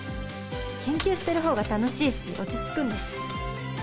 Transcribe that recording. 研究しているほうが楽しいし落ち着くんです。